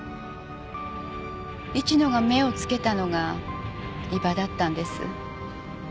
市野が目を付けたのが伊庭だったんです。